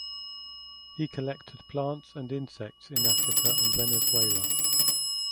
He collected plants and insects in Africa and Venezuela.